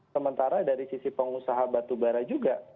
sementara dari sisi pengusaha batubara juga